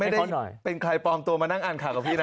เป็นใครปลอมตัวมานั่งอ่านข่าวกับพี่นะ